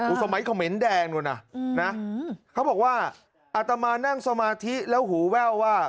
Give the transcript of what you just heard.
สมัยเขม็นแดงนู่นน่ะนะเขาบอกว่าอัตมานั่งสมาธิแล้วหูแว่วว่า